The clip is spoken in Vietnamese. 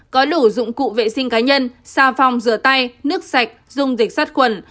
có đủ dụng cụ vệ sinh cá nhân xa phòng rửa tay nước sạch dùng dịch sát quần